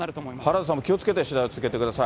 原田さんも気をつけて取材を続けてください。